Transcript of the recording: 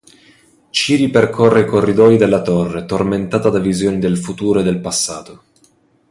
Ciri percorre i corridoi della torre, tormentata da visioni del futuro e del passato.